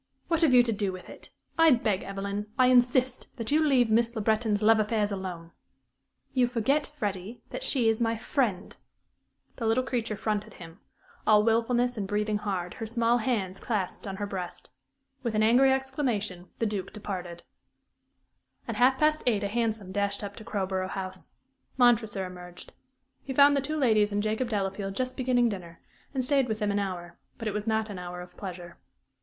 "What have you to do with it? I beg, Evelyn I insist that you leave Miss Le Breton's love affairs alone." "You forget, Freddie, that she is my friend." The little creature fronted him, all wilfulness and breathing hard, her small hands clasped on her breast. With an angry exclamation the Duke departed. At half past eight a hansom dashed up to Crowborough House. Montresor emerged. He found the two ladies and Jacob Delafield just beginning dinner, and stayed with them an hour; but it was not an hour of pleasure.